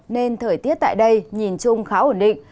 nên thời tiết tại đây nhìn chung khá ổn định